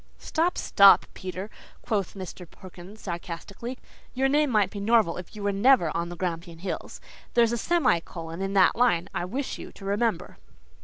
"Stop, stop, Peter," quoth Mr. Perkins, sarcastically, "your name might be Norval if you were never on the Grampian Hills. There's a semi colon in that line, I wish you to remember."